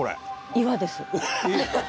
岩です。